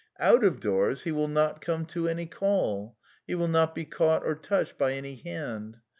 Out of doors he will not come to any call; he will not be caught or^ touched by any hand.